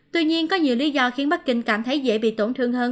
tuy nhiên có nhiều lý do khiến bắc kinh cảm thấy dễ bị tổn thương hơn